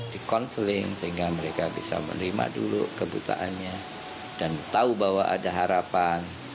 di counseling sehingga mereka bisa menerima dulu kebutaannya dan tahu bahwa ada harapan